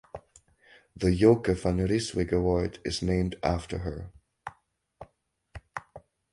The Joke van Rijswijk Award is named after her.